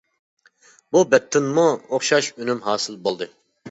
بۇ بەتتىنمۇ ئوخشاش ئۈنۈم ھاسىل بولدى.